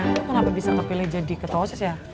kok kenapa bisa kepilih jadi ketosis ya